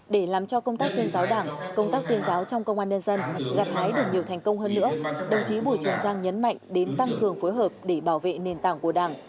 để làm cho công tác tuyên giáo đảng công tác tuyên giáo trong công an nhân dân gặt hái được nhiều thành công hơn nữa đồng chí bùi trường giang nhấn mạnh đến tăng cường phối hợp để bảo vệ nền tảng của đảng